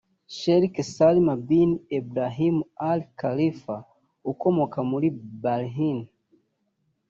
Sheikh Salman Bin Ebrahim Al Khalifa ukomoka muri Bahrain